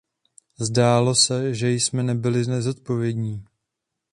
Zdálo se, že jsme nebyli nezodpovědní.